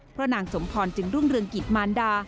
เพราะนางสมพรจึงรุ่งเรืองกิจมารดา